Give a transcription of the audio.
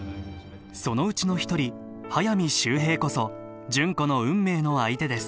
そのうちの一人速水秀平こそ純子の運命の相手です